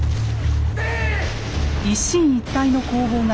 一進一退の攻防が続く中